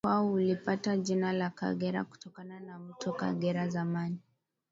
Mkoa ulipata jina la Kagera kutokana na Mto Kagera zamani